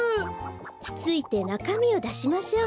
つついてなかみをだしましょう。